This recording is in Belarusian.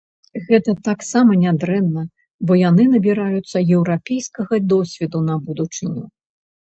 Гэта таксама нядрэнна, бо яны набіраюцца еўрапейскага досведу на будучыню.